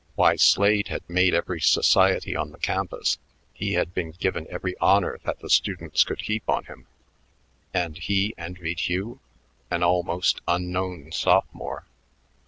Why, Slade had made every society on the campus; he had been given every honor that the students could heap on him and he envied Hugh, an almost unknown sophomore.